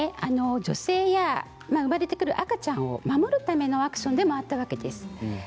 女性や生まれてくる赤ちゃんを守るためのアクションでもあったわけです。